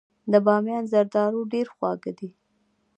د بامیان زردالو ډیر خواږه دي.